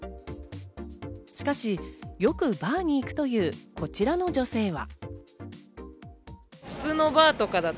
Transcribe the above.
しかし、よくバーに行くというこちらの女性は。